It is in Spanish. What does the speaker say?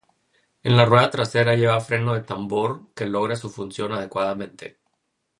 En la rueda trasera lleva freno de tambor, que logra su función adecuadamente.